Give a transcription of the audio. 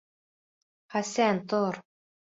Хәсән, тор!